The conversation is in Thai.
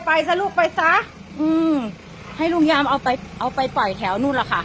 ซะลูกไปซะอืมให้ลุงยามเอาไปเอาไปปล่อยแถวนู่นล่ะค่ะ